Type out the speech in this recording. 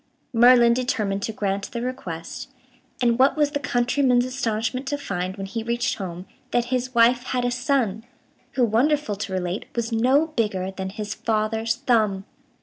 Merlin determined to grant the request, and what was the countryman's astonishment to find when he reached home that his wife had a son, who, wonderful to relate, was no bigger than his father's thumb!